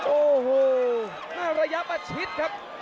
โอ้โหหน้าระยะมาชิดครับ